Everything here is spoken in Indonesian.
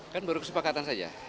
kan baru kesepakatan saja